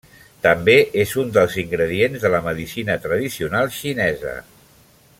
També és un dels ingredients de la medicina tradicional xinesa.